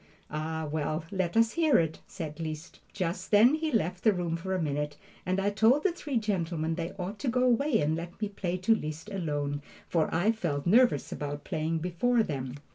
"Ah, well, let us hear it," said Liszt. Just then he left the room for a minute, and I told the three gentlemen they ought to go away and let me play to Liszt alone, for I felt nervous about playing before them.